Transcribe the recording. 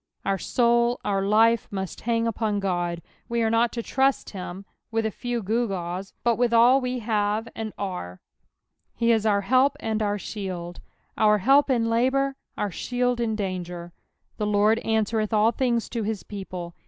Our soul, our life, must hang uiwn God ; we are nut to trust him with a few gewgaws, but with all we have and are. " He it our help and ow ihUld." Our help in labour, our shield in danggr. The Lord answereth all things to his people.